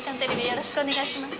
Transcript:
よろしくお願いします。